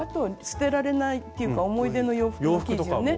捨てられないっていうか思い出の洋服の生地をね